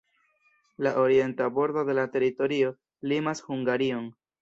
La orienta bordo de la teritorio limas Hungarion.